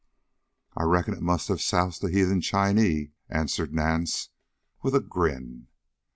"I reckon it must have soused a heathen Chinee," answered Nance, with a grin.